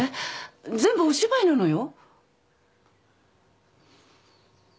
全部お芝居なのよ。